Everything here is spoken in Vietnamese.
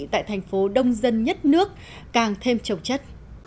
tại thành phố đông dân nhất nước càng thêm trồng chất